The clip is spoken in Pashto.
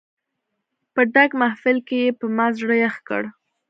په ډک محفل کې یې په ما زړه یخ کړ.